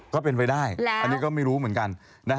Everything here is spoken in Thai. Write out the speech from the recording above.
ก็เป็นไปได้อันนี้ก็ไม่รู้เหมือนกัน